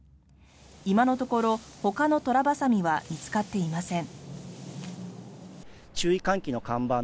今のところ、ほかのトラバサミは見つかっていません。